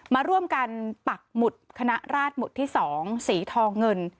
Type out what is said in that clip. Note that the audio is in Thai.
มาร่วมกันปักหมุดคณะราชหมุดที่๒สีทองเงิน